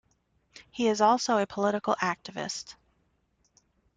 He is also a political activist.